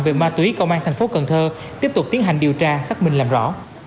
về ma túy công an tp cn tiếp tục tiến hành điều tra xác minh làm rõ